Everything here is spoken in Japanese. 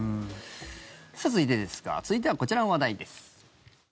さあ、続いてですが続いては、こちらの話題です。